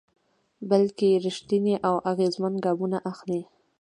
بلکې رېښتيني او اغېزمن ګامونه اخلي.